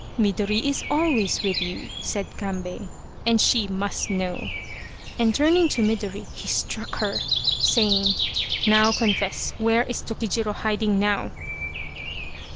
" Midori is always with you," said Kambei " and she must know," and turning to Midori he struck her, saying :" Now confess where is Tokijiro hiding now